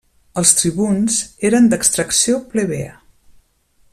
Els tribuns eren d'extracció plebea.